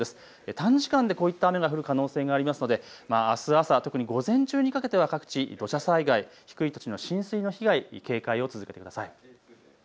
短時間でこういった雨が降る可能性がありますので、あす朝、特に午前中にかけては各地、土砂災害、低い土地の浸水の被害に警戒を続けてください。